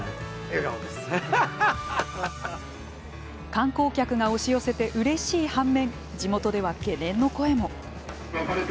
観光客が押し寄せてうれしい反面地元では懸念の声も。